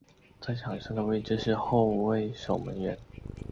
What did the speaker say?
在场上的位置是后卫守门员。